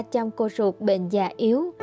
trong cô ruột bệnh già yếu